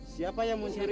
siapa yang mencuri nya pak